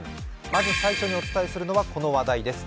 まず最初にお伝えするのはこの話題です。